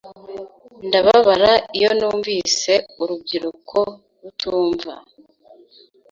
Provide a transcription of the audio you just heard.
Ndababara, iyo numvise urubyiruko rutumvas